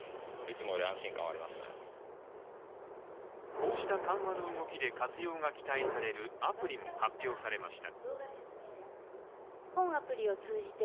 こうした緩和の動きで活用が期待されるアプリも発表されました。